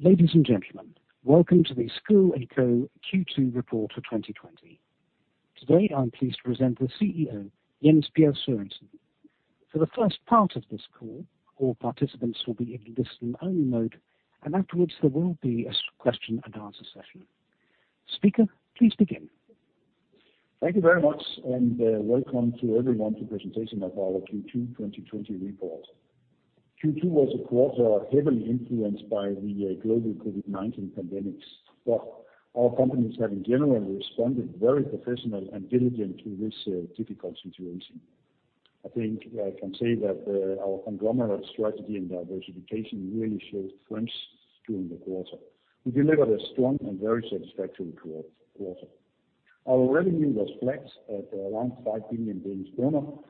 Ladies and gentlemen, welcome to the Schouw & Co. Q2 report for 2020. Today, I'm pleased to present the CEO, Jens Bjerg Sørensen. For the first part of this call, all participants will be in listen-only mode, and afterwards, there will be a question and answer session. Speaker, please begin. Thank you very much, welcome to everyone to presentation of our Q2 2020 report. Q2 was a quarter heavily influenced by the global COVID-19 pandemic, our companies have in general responded very professional and diligent to this difficult situation. I think I can say that our conglomerate strategy and diversification really showed strengths during the quarter. We delivered a strong and very satisfactory quarter. Our revenue was flat at around 5 billion,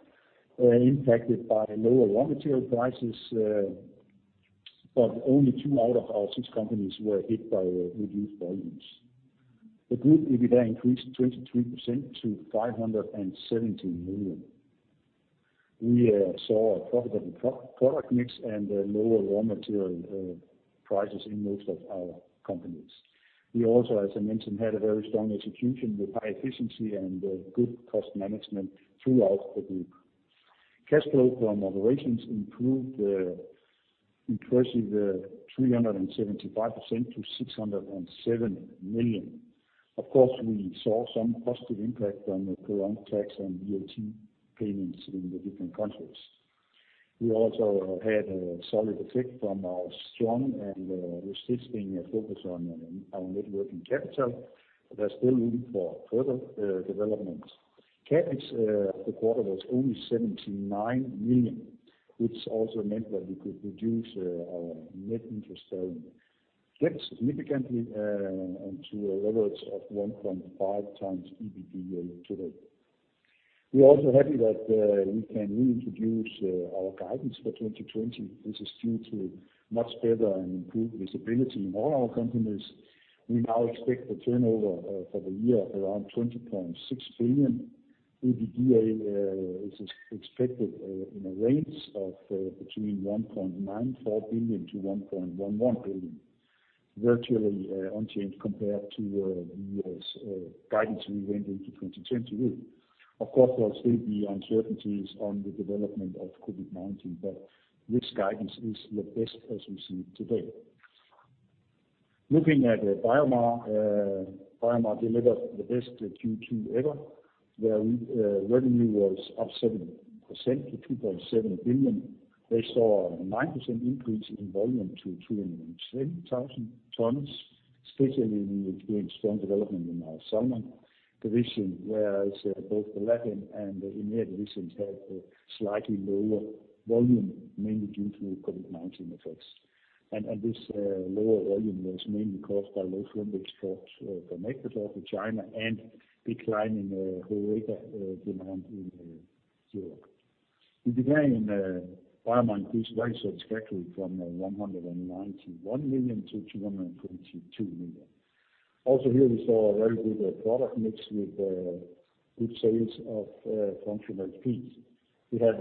impacted by lower raw material prices, only two out of our six companies were hit by reduced volumes. The group EBITDA increased 23% to 570 million. We saw a profitable product mix and lower raw material prices in most of our companies. We also, as I mentioned, had a very strong execution with high efficiency and good cost management throughout the group. Cash flow from operations improved 375% to 607 million. We saw some positive impact from the prolonged tax on VAT payments in the different countries. We also had a solid effect from our strong and persisting focus on our net working capital, there's still room for further development. CapEx for the quarter was only 79 million, which also meant that we could reduce our net interest earnings significantly, to a leverage of 1.5 times EBITDA today. We're also happy that we can reintroduce our guidance for 2020. This is due to much better and improved visibility in all our companies. We now expect the turnover for the year around 20.6 billion. EBITDA is expected in a range of between 1.94 billion-2.11 billion, virtually unchanged compared to the year's guidance we went into 2020 with. Of course, there will still be uncertainties on the development of COVID-19, but this guidance is the best as we see it today. Looking at BioMar. BioMar delivered the best Q2 ever, where revenue was up 7% to 2.7 billion. They saw a 9% increase in volume to 210,000 tons. Especially, we experienced strong development in our salmon division, whereas both the Latin and the India divisions had slightly lower volume, mainly due to COVID-19 effects. This lower volume was mainly caused by low shrimp exports from Ecuador to China and decline in HoReCa demand in Europe. The EBITDA in BioMar increased very satisfactorily from 191 million to 222 million. Here, we saw a very good product mix with good sales of functional feeds. We have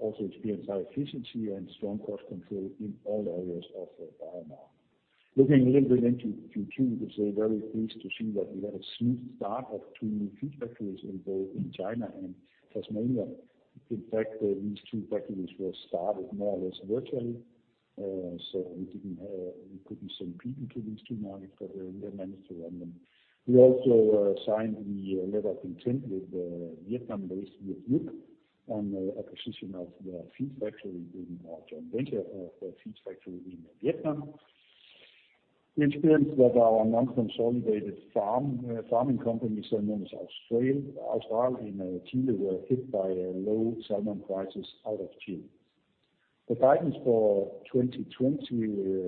also experienced high efficiency and strong cost control in all areas of BioMar. Looking a little bit into Q2, we are very pleased to see that we had a smooth start of two new feed factories in both China and Tasmania. In fact, these two factories were started more or less virtually. We couldn't send people to these two markets, but we have managed to run them. We also signed the letter of intent with Vietnam-based Viet-Uc on acquisition of the feed factory in Vietnam. We experienced that our non-consolidated farming companies, Salmones Austral in Chile, were hit by low salmon prices out of Chile. The guidance for 2020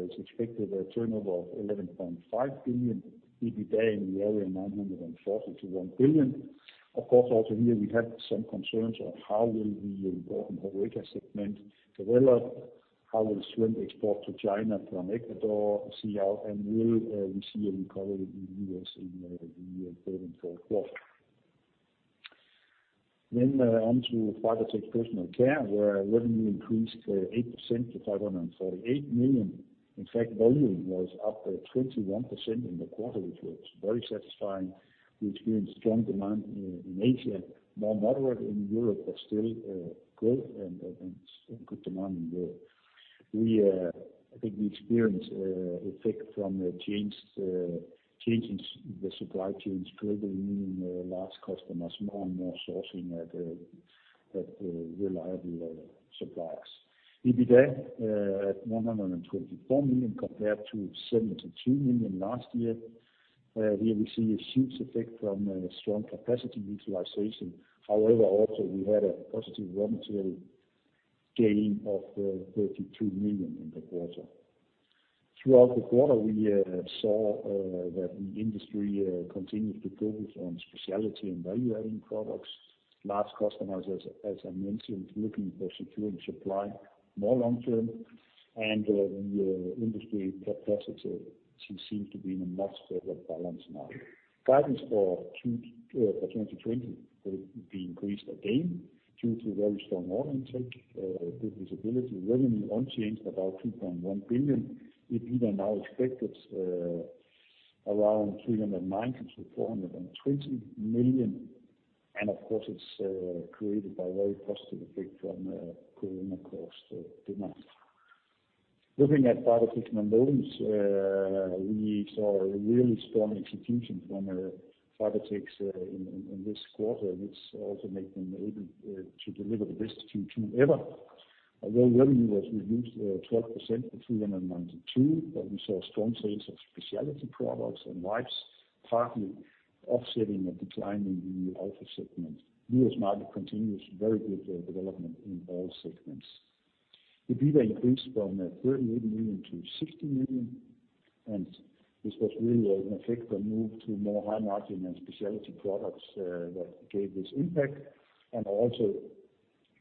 has expected a turnover of 11.5 billion, EBITDA in the area of 940 million-1 billion. Of course, also here we have some concerns on how will the important HoReCa segment develop, how will shrimp export to China from Ecuador see out, and will we see a recovery in the U.S. in the third and fourth quarter. On to Fibertex Personal Care, where revenue increased 8% to 548 million. In fact, volume was up 21% in the quarter, which was very satisfying. We experienced strong demand in Asia, more moderate in Europe, but still growth and good demand in Europe. I think we experience effect from changes in the supply chain struggle, meaning large customers more and more sourcing at reliable suppliers. EBITDA at 124 million compared to 72 million last year. Here we see a huge effect from strong capacity utilization. However, also we had a positive raw material gain of 32 million in the quarter. Throughout the quarter, we saw that the industry continued to focus on specialty and value-adding products. Large customers, as I mentioned, looking for securing supply more long-term, and the industry capacity. We seem to be in a much better balance now. Guidance for 2020 will be increased again due to very strong order intake. Good visibility. Revenue unchanged, about 2.1 billion. EBITDA now expected around 390 million-420 million, and of course, it's created by very positive effect from corona across the demand. Looking at Fibertex Nonwovens, we saw a really strong execution from Fibertex in this quarter, which also make them able to deliver the best Q2 ever. While revenue was reduced 12% to 392 million, but we saw strong sales of specialty products and wipes, partly offsetting a decline in the auto segment. U.S. market continues very good development in all segments. EBITDA increased from 38 million to 60 million. This was really an effect of move to more high margin and specialty products that gave this impact, also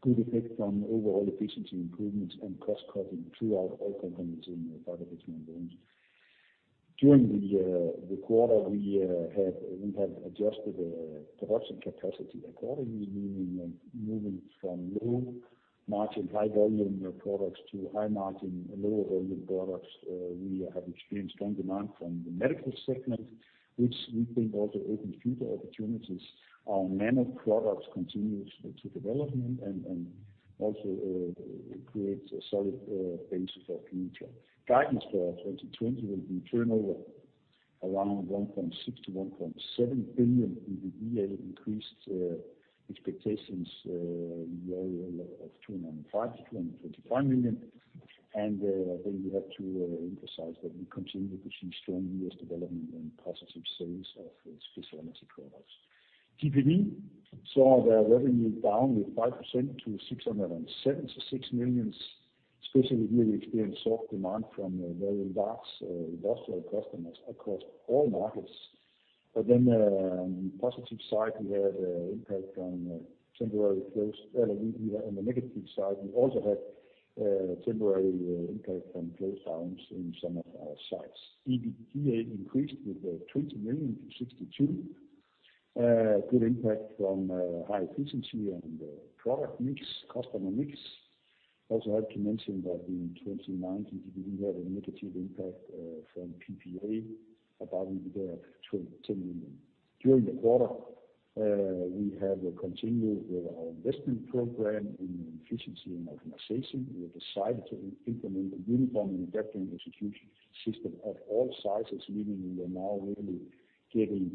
good effect from overall efficiency improvements and cost cutting throughout all companies in Fibertex Nonwovens. During the quarter, we have adjusted the production capacity accordingly, meaning moving from low margin, high volume products to high margin, low volume products. We have experienced strong demand from the medical segment, which we think also opens future opportunities. Our nano products continues to development and also creates a solid basis for future. Guidance for 2020 will be turnover around 1.6 billion-1.7 billion in the year, increased expectations in the area of 205 million-225 million. There we have to emphasize that we continue to see strong U.S. development and positive sales of specialty products. GPV saw their revenue down with 5% to 676 million. Here, we experienced soft demand from very large industrial customers across all markets. Positive side, we had impact on temporary close down. On the negative side, we also had temporary impact from close downs in some of our sites. EBITDA increased with 20 million to 62 million. Good impact from high efficiency and product mix, customer mix. Have to mention that in 2019, GPV had a negative impact from PPA, about EBITDA of DKK 10 million. During the quarter, we have continued with our investment program in efficiency and optimization. We have decided to implement a uniform and effective integration system at all sites, meaning we are now really getting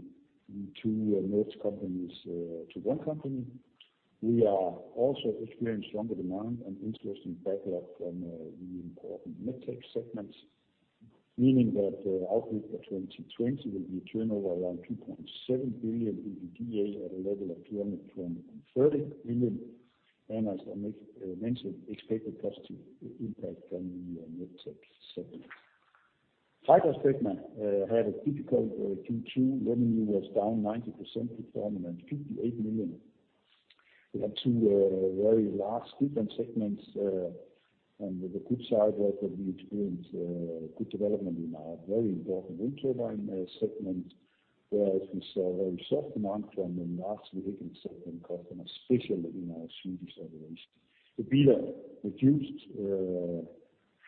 two merged companies to one company. We are also experienced stronger demand and interesting backlog from the important MedTech segments, meaning that the outlook for 2020 will be turnover around 2.7 billion in the year at a level of 200 million-230 million. As I mentioned, expected positive impact from the MedTech segment. Fibertex segment had a difficult Q2. Revenue was down 19% to 258 million. We had two very large different segments. On the good side, we experienced good development in our very important wind turbine segment. Whereas we saw very soft demand from the large vehicle segment customers, especially in our Swedish organization. EBITDA reduced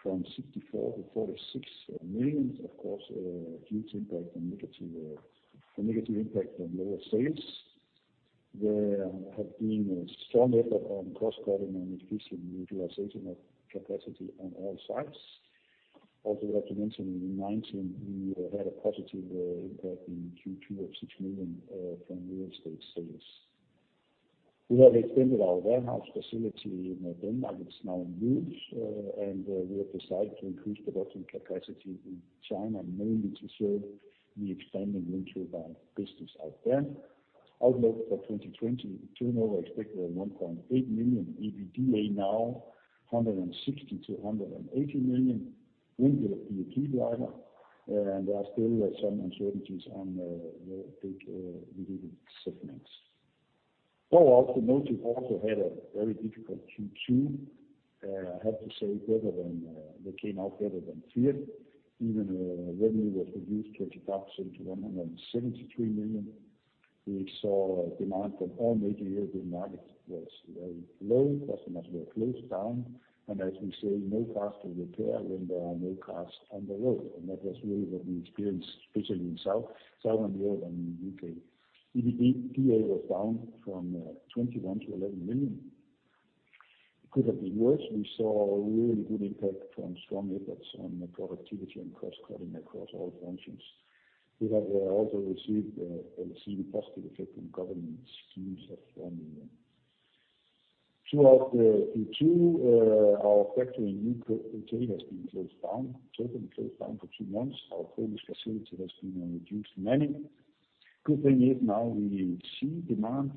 from 64 million-46 million. Of course, due to impact from negative impact from lower sales. There have been a strong effort on cost cutting and efficiency utilization of capacity on all sites. Also have to mention in 2019, we had a positive impact in Q2 of 6 million from real estate sales. We have expanded our warehouse facility in Denmark. It's now in use, and we have decided to increase production capacity in China, mainly to serve the expanding wind turbine business out there. Outlook for 2020 turnover expected at 1.8 billion. EBITDA now 160 million-180 million. Wind will be a key driver, and there are still some uncertainties on the big renewable segments. BORG Automotive also had a very difficult Q2. I have to say better than they came out better than feared. Even revenue was reduced 20% to 173 million. We saw demand from all major European markets was very low. Customers were closed down, and as we say, no cars to repair when there are no cars on the road. That was really what we experienced, especially in southern Europe and in the U.K. EBITDA was down from 21 million to 11 million. It could have been worse. We saw a really good impact from strong efforts on productivity and cost cutting across all functions. We have also received a positive effect from government schemes of 1 million. Throughout the Q2, our factory in U.K. has been closed down, totally closed down for two months. Our Polish facility has been reduced minimum. Good thing is now we see demand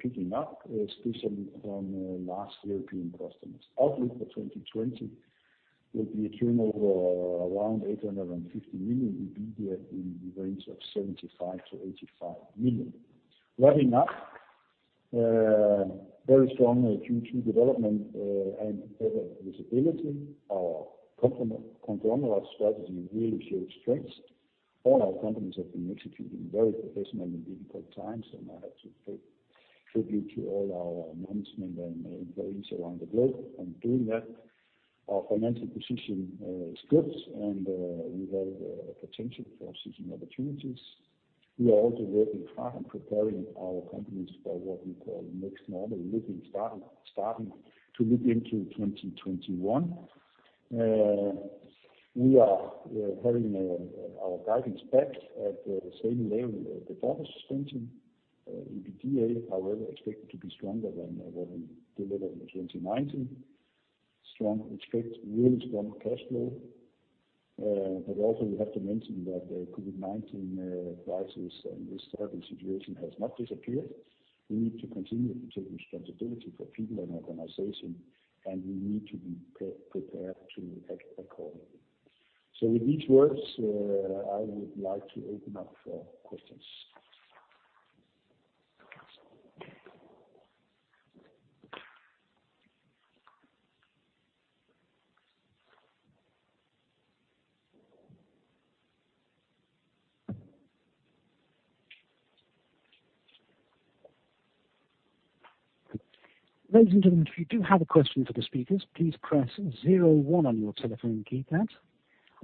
picking up, especially from large European customers. Outlook for 2020 will be a turnover around 850 million, EBITDA in the range of 75 million-85 million. Wrapping up. Very strong Q2 development and better visibility. Our conglomerate strategy really showed strength. All our companies have been executing very professional in difficult times, and I have to pay tribute to all our management and employees around the globe on doing that. Our financial position is good, and we have the potential for seizing opportunities. We are also working hard on preparing our companies for what we call next normal, starting to look into 2021. We are having our guidance back at the same level as before the suspension. EBITDA, however, expected to be stronger than what we delivered in 2019. We expect really strong cash flow. Also we have to mention that the COVID-19 crisis and this terrible situation has not disappeared. We need to continue to take responsibility for people and organization, and we need to be prepared to act accordingly. With these words, I would like to open up for questions. Ladies and gentlemen, if you do have a question for the speakers, please press zero one on your telephone keypad.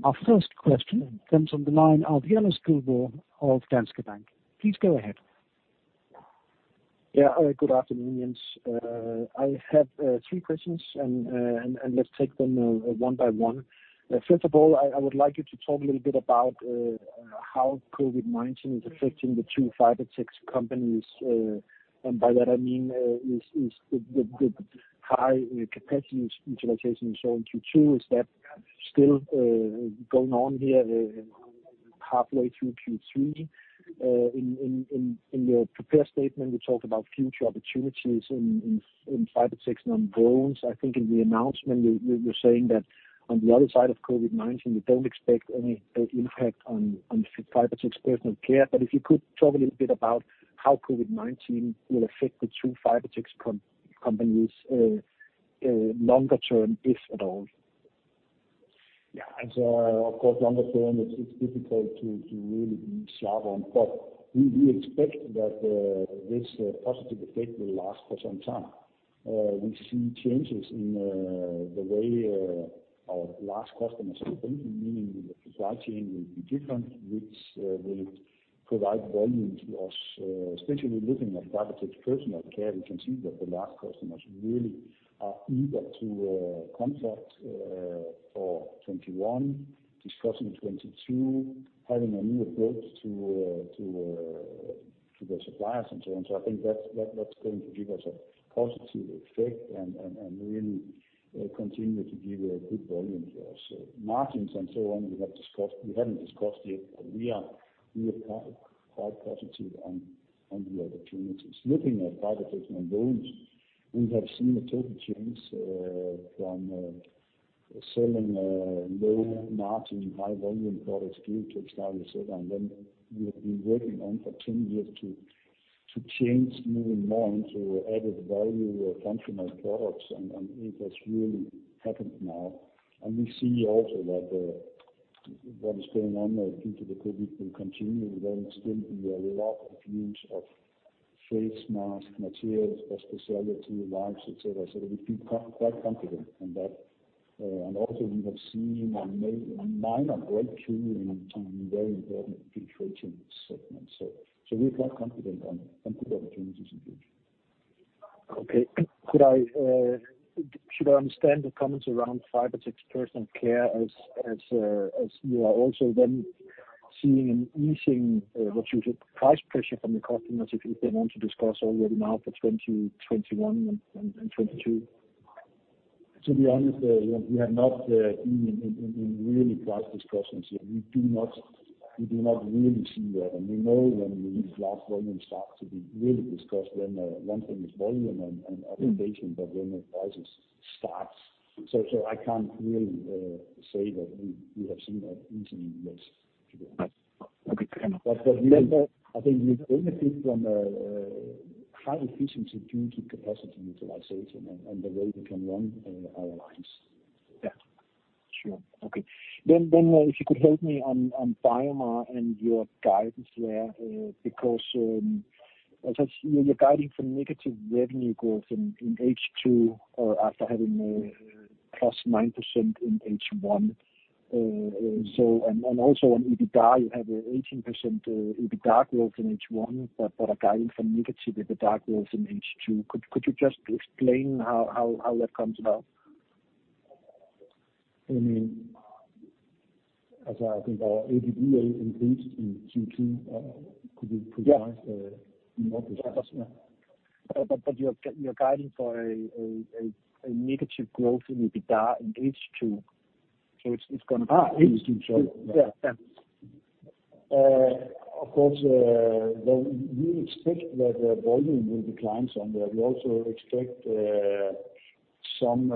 Our first question comes on the line of Jonas Guldborg of Danske Bank. Please go ahead. Good afternoon, Jens. I have three questions, and let's take them one by one. First of all, I would like you to talk a little bit about how COVID-19 is affecting the two Fibertex companies. By that I mean, the high capacity utilization we saw in Q2, is that still going on here halfway through Q3? In your prepared statement, you talked about future opportunities in Fibertex Nonwovens. I think in the announcement, you were saying that on the other side of COVID-19, you don't expect any impact on Fibertex Personal Care. If you could talk a little bit about how COVID-19 will affect the two Fibertex companies longer term, if at all. Yeah. Of course, longer term, it's difficult to really be sharp on, but we expect that this positive effect will last for some time. We see changes in the way our large customers are thinking, meaning the supply chain will be different, which will provide volume to us, especially looking at Fibertex Personal Care. We can see that the large customers really are eager to contract for 2021, discussing 2022, having a new approach to the suppliers and so on. I think that's going to give us a positive effect and really continue to give good volume to us. Margins and so on we haven't discussed yet, but we are quite positive on the opportunities. Looking at Fibertex Nonwovens, we have seen a total change from selling low margin, high volume products due to [establish certain]. We have been working on for 10 years to change more and more into added value functional products, it has really happened now. We see also that what is going on due to the COVID will continue. There will still be a lot of use of face masks, materials, especially to labs, et cetera. We feel quite confident in that. Also we have seen a minor breakthrough in very important future segments. We are quite confident on good opportunities in future. Okay. Should I understand the comments around Fibertex Personal Care as you are also then seeing an easing price pressure from the customers if they want to discuss already now for 2021 and 2022? To be honest, we have not been in real price discussions yet. We do not really see that. We know when these last volumes start to be really discussed, then one thing is volume and adaptation. I can't really say that we have seen that easing yet, to be honest. Okay, fair enough. I think we benefit from high efficiency due to capacity utilization and the way we can run our lines. Yeah, sure. Okay. If you could help me on BioMar and your guidance there, because you're guiding for negative revenue growth in H2 or after having a +9% in H1. Also on EBITDA, you have a 18% EBITDA growth in H1, but are guiding for negative EBITDA growth in H2. Could you just explain how that comes about? I think our EBITDA increased in Q2 could be revised more than that. You're guiding for a negative growth in EBITDA in H2. H2. Yeah. Of course, we expect that volume will decline some there. We also expect some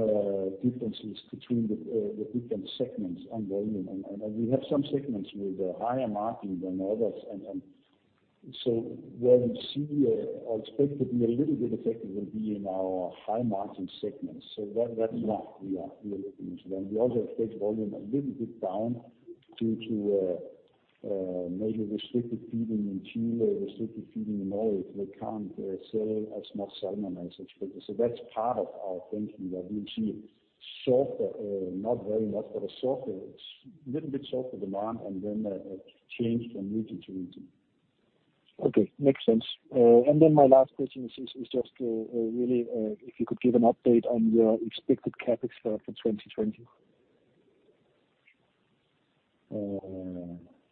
differences between the different segments and volume. We have some segments with higher margin than others. What we see or expect to be a little bit affected will be in our high margin segments. That's what we are looking into. We also expect volume a little bit down due to maybe restricted feeding in Chile, restricted feeding in Norway. They can't sell as much salmon as expected. That's part of our thinking, that we see softer, not very much, but a little bit softer demand and then changed from region to region. Okay. Makes sense. Then my last question is just really, if you could give an update on your expected CapEx for 2020.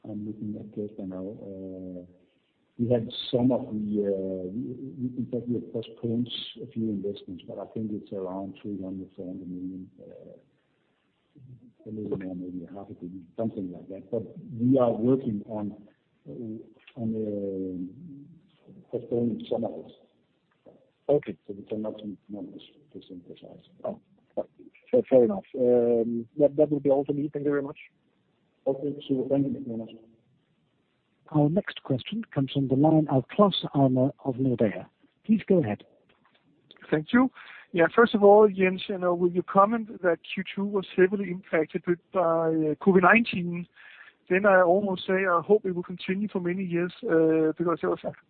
I'm looking at that right now. We can probably postpone a few investments, but I think it's around 300 million-400 million. A little more, maybe half a billion, something like that. We are working on postponing some of it. Okay. We cannot commit numbers to synthesize. Fair enough. That will be all from me. Thank you very much. Okay. Thank you very much. Our next question comes from the line of Claus Almer of Nordea. Please go ahead. Thank you. First of all, Jens, with your comment that Q2 was heavily impacted by COVID-19, I almost say I hope it will continue for many years, it was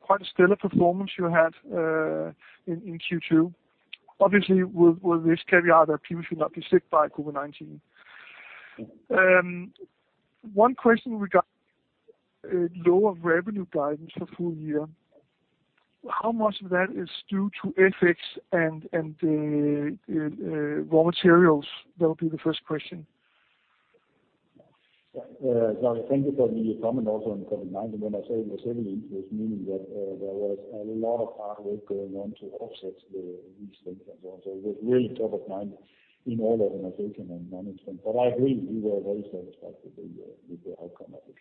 quite a stellar performance you had in Q2. With this caveat that people should not be sick by COVID-19. One question regarding lower revenue guidance for full year, how much of that is due to FX and raw materials? That would be the first question. Claus, thank you for the comment also on COVID-19. When I say it was heavily influenced, meaning that there was a lot of hard work going on to offset these things and so on. It was really top of mind in all organization and management. I agree, we were very satisfied with the outcome of it.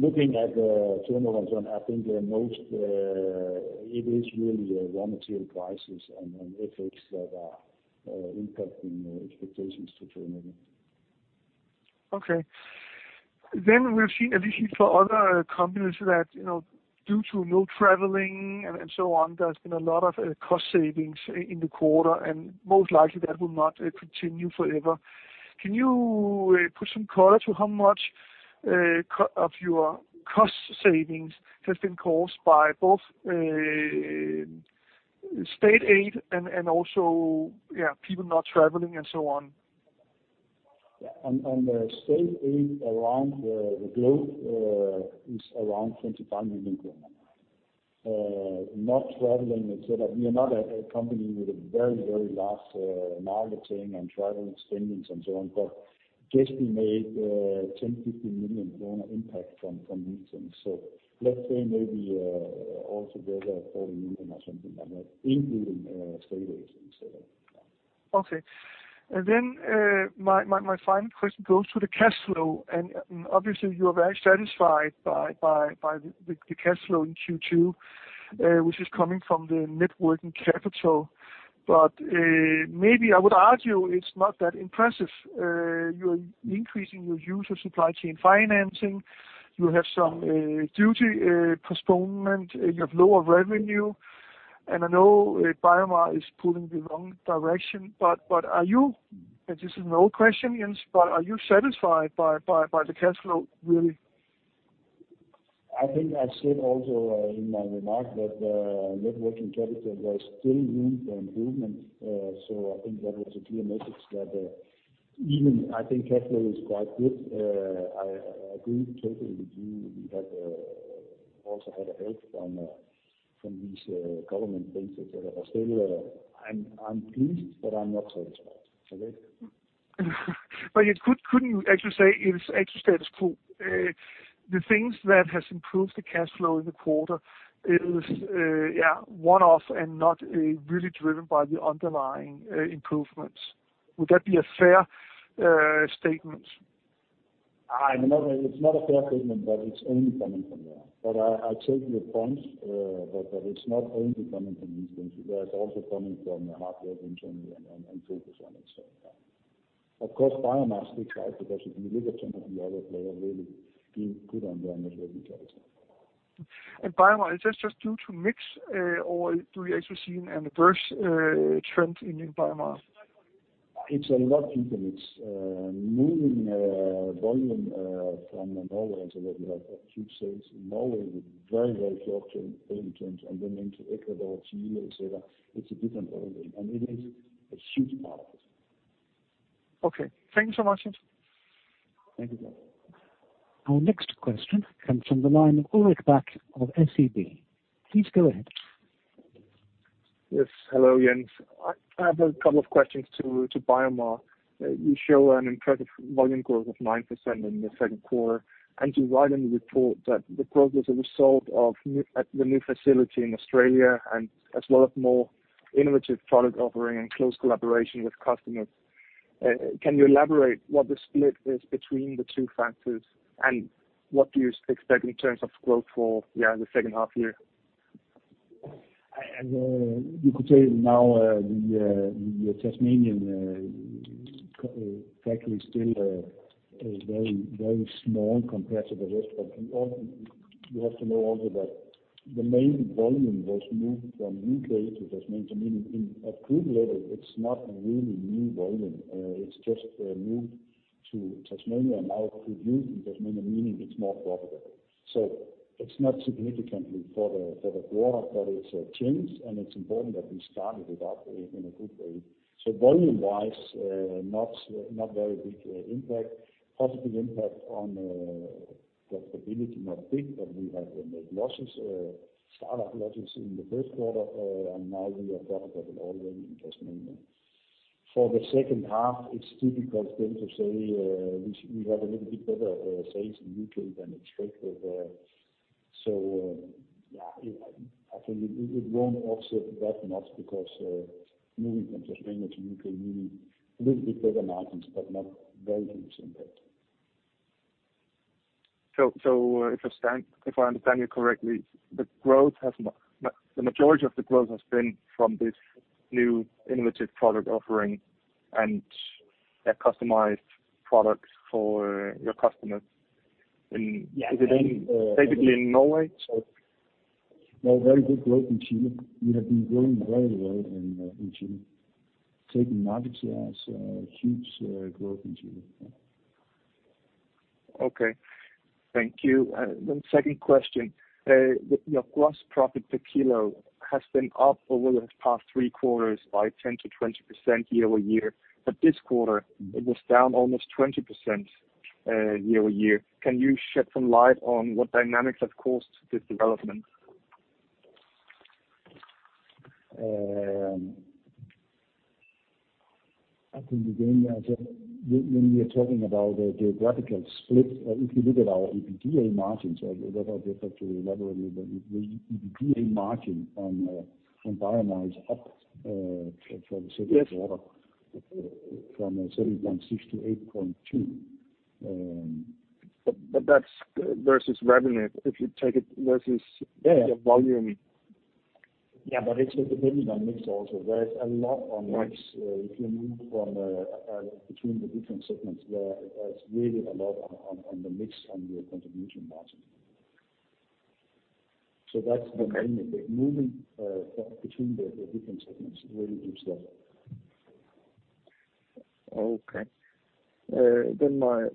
Looking at the turnover and so on, I think the most, it is really raw material prices and FX that are impacting expectations to turn negative. Okay. We've seen, at least for other companies that, due to no traveling and so on, there's been a lot of cost savings in the quarter, and most likely that will not continue forever. Can you put some color to how much of your cost savings has been caused by both state aid and also, yeah, people not traveling and so on? Yeah. On the state aid around the globe is around 25 million. Not traveling, et cetera, we are not a company with a very, very large marketing and travel spending and so on, but guess we made 10 million-15 million kroner impact from these things. Let's say maybe all together 40 million or something like that, including state aid and so on. Okay. My final question goes to the cash flow, and obviously you are very satisfied by the cash flow in Q2, which is coming from the net working capital. Maybe I would argue it's not that impressive. You're increasing your use of supply chain financing. You have some duty postponement, and you have lower revenue. I know BioMar is pulling the wrong direction. Are you, and this is an old question, Jens, but are you satisfied by the cash flow, really? I think I said also in my remark that net working capital, there is still room for improvement. I think that was a clear message that even I think cash flow is quite good. I agree totally with you. We have also had a help from these government things, et cetera. Still, I'm pleased, but I'm not satisfied. Couldn't you actually say it is actually status quo? The things that has improved the cash flow in the quarter is one-off and not really driven by the underlying improvements. Would that be a fair statement? No, it's not a fair statement that it's only coming from there. I take your point, that it's not only coming from these things. That it's also coming from the hard work internally and focus on itself. Of course, BioMar sticks out because if you look at some of the other players, really doing good on their net working capital. BioMar, is this just due to mix, or do we actually see an adverse trend in BioMar? It's a lot of different. It's moving volume from Norway and so that we have huge sales in Norway with very, very short payment terms, and then into Ecuador, Chile, et cetera. It's a different earning, and it is a huge part. Okay. Thank you so much. Thank you. Our next question comes from the line of Ulrik Bak of SEB. Please go ahead. Yes. Hello, Jens. I have a couple of questions to BioMar. You show an impressive volume growth of 9% in the second quarter, and you write in the report that the growth is a result of the new facility in Australia and as well as more innovative product offering and close collaboration with customers. Can you elaborate what the split is between the two factors, and what do you expect in terms of growth for the second half year? You could say now the Tasmanian factory is still very small compared to the rest. You have to know also that the main volume was moved from U.K. to Tasmania. Meaning at group level, it is not really new volume, it is just moved to Tasmania and now produced in Tasmania, meaning it is more profitable. It is not significant for the quarter, but it is a change and it is important that we started it up in a good way. Volume wise, not very big impact. Positive impact on the profitability, not big, but we had startup losses in the first quarter, and now we are profitable already in Tasmania. For the second half, it is too because then to say, we have a little bit better sales in U.K. than expected there. Yeah, I think it won't offset that much because moving from Tasmania to U.K., meaning a little bit better margins, but not very huge impact. If I understand you correctly, the majority of the growth has been from this new innovative product offering and customized products for your customers. Yeah. Is it basically in Norway? No, very good growth in Chile. We have been growing very well in Chile. Taking market shares, huge growth in Chile. Okay. Thank you. Second question. Your gross profit per kilo has been up over the past three quarters by 10%-20% year-over-year, but this quarter it was down almost 20% year-over-year. Can you shed some light on what dynamics have caused this development? I think again, when we are talking about the geographical split, if you look at our EBITDA margins, that are difficult to elaborate, but EBITDA margin on BioMar is up from the second quarter. Yes. From 7.6% to 8.2%. That's versus revenue, your volume. Yeah, it's depending on mix also. There is a lot on mix. Right. If you move between the different segments, there is really a lot on the mix on your contribution margin. That's the main bit. Okay. Moving between the different segments really gives that. My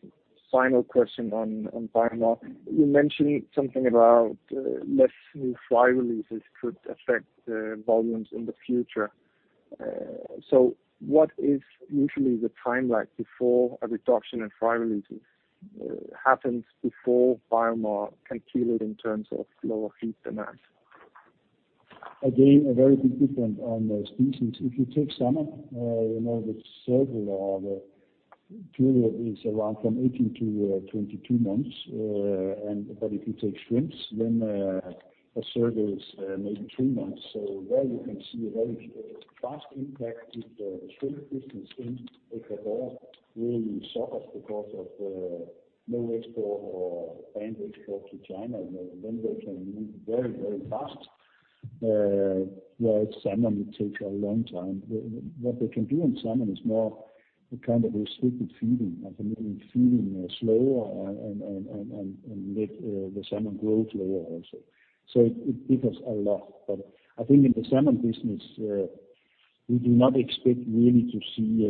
final question on BioMar. You mentioned something about less new fry releases could affect volumes in the future. What is usually the timeline before a reduction in fry releases happens before BioMar can feel it in terms of lower feed demand? Very big difference on the species. If you take salmon, the circle or the period is around from 18-22 months. If you take shrimps, then the circle is maybe three months. There you can see a very fast impact if the shrimp business in Ecuador really suffers because of no export or banned export to China. They can move very fast. Whereas salmon, it takes a long time. What they can do in salmon is more restricted feeding, maybe feeding slower and let the salmon grow slower also. It differs a lot. I think in the salmon business, we do not expect really to see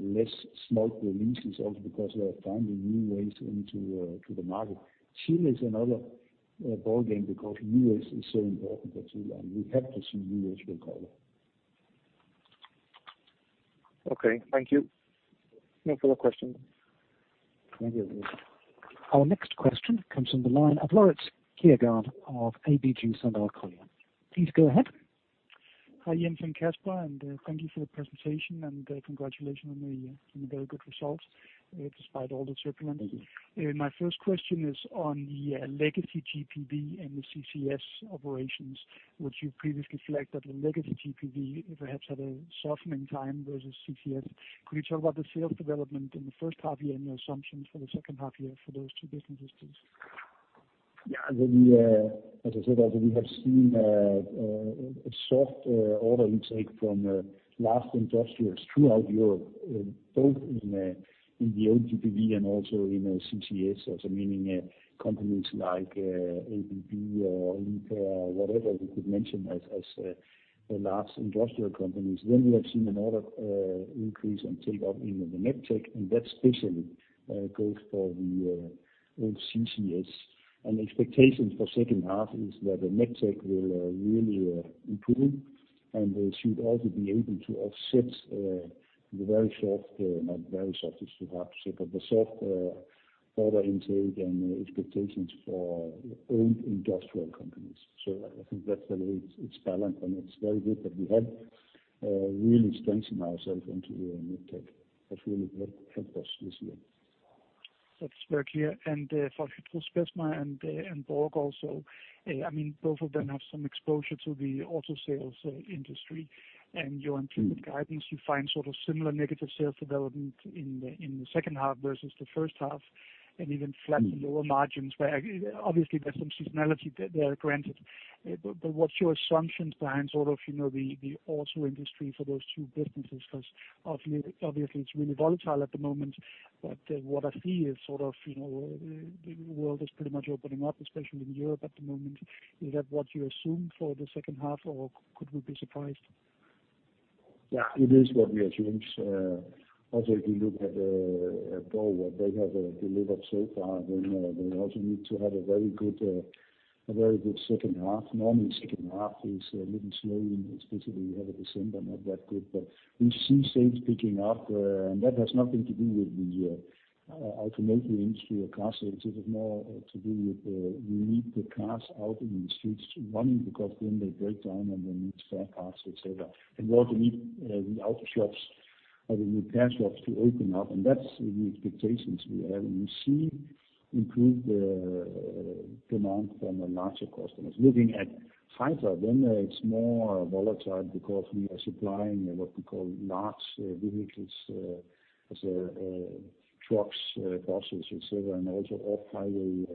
less smolt releases, also because they are finding new ways into the market. Chile is another ballgame because U.S. is so important for Chile, and we have to see U.S. recover. Okay. Thank you. No further questions. Thank you. Our next question comes from the line of Laurits Kjærgaard of ABG Sundal Collier. Please go ahead. Hi, Jens and Kasper, thank you for the presentation and congratulations on the very good results despite all the turbulence. My first question is on the legacy GPV and the CCS operations, which you've previously flagged that the legacy GPV perhaps had a softening time versus CCS. Could you talk about the sales development in the first half year and your assumptions for the second half year for those two businesses, please? Yeah. As I said, also, we have seen a soft order intake from large industrials throughout Europe, both in the old GPV and also in CCS. Meaning companies like ABB or Link or whatever you could mention as large industrial companies. We have seen an order increase and take up in the MedTech, and that especially goes for the old CCS. Expectations for second half is that the MedTech will really improve, and we should also be able to offset the very soft, not very soft, it's too harsh, but the soft order intake and expectations for old industrial companies. I think that's the way it's balanced, and it's very good that we have really strengthened ourselves into the MedTech. That really helped us this year. That's clear. For HydraSpecma and BORG also, both of them have some exposure to the auto sales industry and your implicit guidance, you find sort of similar negative sales development in the second half versus the first half, and even flat and lower margins where obviously there's some seasonality there, granted. What's your assumptions behind the auto industry for those two businesses? Obviously it's really volatile at the moment, but what I see is the world is pretty much opening up, especially in Europe at the moment. Is that what you assume for the second half or could we be surprised? Yeah, it is what we assume. Also, if you look at BORG, what they have delivered so far, then they also need to have a very good second half. Normally, second half is a little slow, and especially you have December, not that good. We see sales picking up, and that has nothing to do with the automotive industry or car sales. It is more to do with you need the cars out in the streets running because then they break down and they need spare parts, et cetera. Also need the auto shops or the repair shops to open up, and that's the expectations we have, and we see improved demand from the larger customers. Looking at HydraSpecma, then it's more volatile because we are supplying what we call large vehicles, so trucks, buses, et cetera, and also off-highway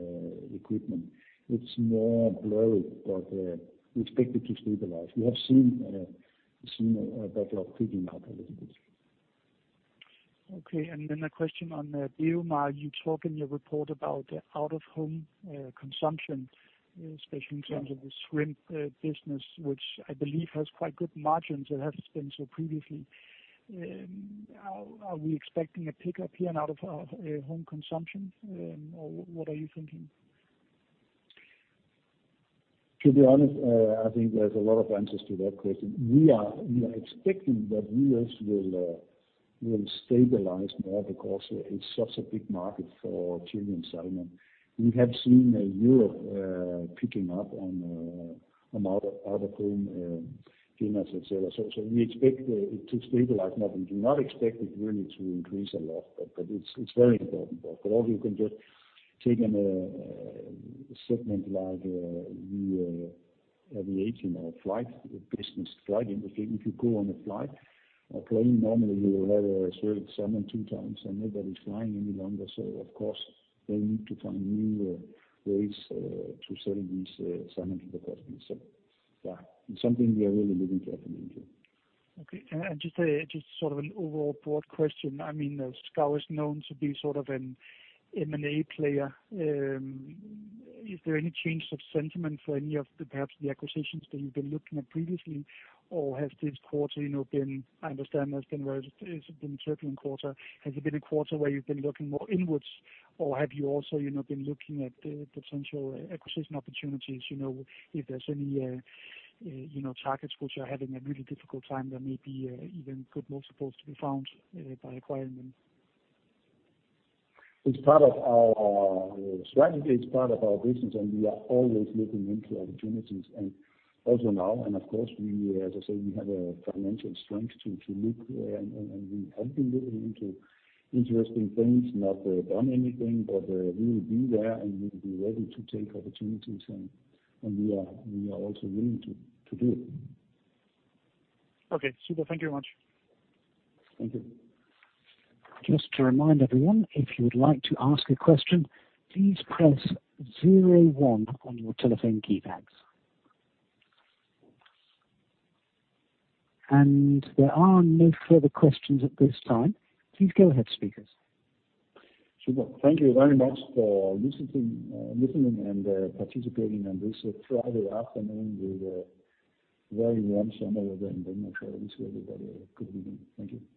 equipment. It's more blurry, but we expect it to stabilize. We have seen a backlog picking up a little bit. A question on BioMar. You talk in your report about out-of-home consumption, especially in terms of the shrimp business, which I believe has quite good margins. It has been so previously. Are we expecting a pickup here in out-of-home consumption or what are you thinking? To be honest, I think there's a lot of answers to that question. We are expecting that we also will stabilize more because it's such a big market for Chilean salmon. We have seen Europe picking up on out-of-home dinners, et cetera. We expect it to stabilize. We do not expect it really to increase a lot, but it's very important. You can just take a segment like the aviation or flight business. Flying, if you go on a flight or plane, normally you will have a shrimp salmon two times, and nobody's flying any longer. Of course, they need to find new ways to sell these salmon to the customers. It's something we are really looking carefully into. Okay. Just sort of an overall broad question. Schouw is known to be sort of an M&A player. Is there any change of sentiment for any of perhaps the acquisitions that you've been looking at previously? Has this quarter been, I understand it's been a circling quarter, has it been a quarter where you've been looking more inwards or have you also been looking at potential acquisition opportunities? If there's any targets which are having a really difficult time, there may be even good multiples to be found by acquiring them. It's part of our strategy, it's part of our business, and we are always looking into opportunities and also now, and of course, as I say, we have a financial strength to look and we have been looking into interesting things, not done anything, but we will be there, and we'll be ready to take opportunities, and we are also willing to do it. Okay, super. Thank you very much. Thank you. Just to remind everyone, if you would like to ask a question, please press zero one on your telephone keypads. There are no further questions at this time. Please go ahead, speakers. Super. Thank you very much for listening and participating on this Friday afternoon with a very warm summer here in Denmark. I wish everybody a good weekend. Thank you.